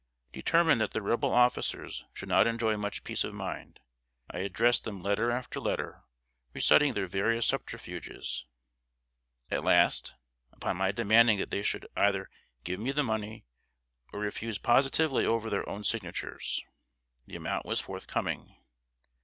Determined that the Rebel officials should not enjoy much peace of mind, I addressed them letter after letter, reciting their various subterfuges. At last, upon my demanding that they should either give me the money, or refuse positively over their own signatures, the amount was forthcoming.